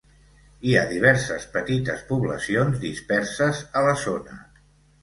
Hi ha diverses petites poblacions disperses a la zona.